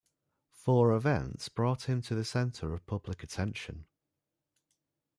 Four events brought him to the centre of public attention.